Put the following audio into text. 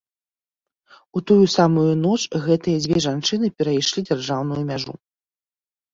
У тую самую ноч гэтыя дзве жанчыны перайшлі дзяржаўную мяжу.